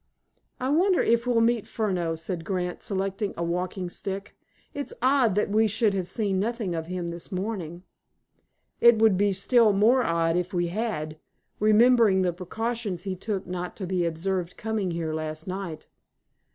"I wonder if we'll meet Furneaux," said Grant, selecting a walking stick. "It's odd that we should have seen nothing of him this morning." "It would be still more odd if we had, remembering the precautions he took not to be observed coming here last night."